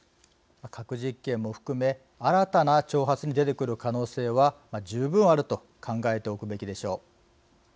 核実験も含め新たな挑発に出てくる可能性は十分あると考えておくべきでしょう。